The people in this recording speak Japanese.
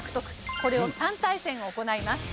これを３対戦行います。